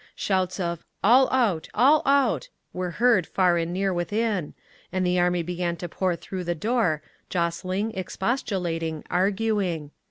Shouts of "All out! All out!" were heard far and near within, and the Army began to pour through the door, jostling, expostulating, arguing.